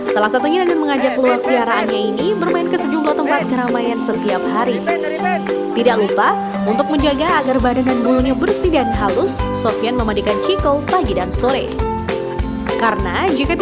salah satunya dengan mengajak ular piaraannya ini bermain ke sejumlah tempat keramaian setiap hari